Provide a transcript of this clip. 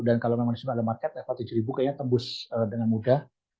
dan kalau memang disuruh ada market level tujuh kayaknya tembus dengan mudah